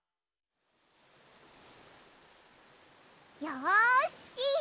よし！